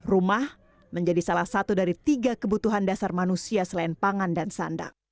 rumah menjadi salah satu dari tiga kebutuhan dasar manusia selain pangan dan sandang